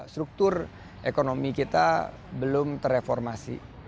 struktur ekonomi kita belum terreformasi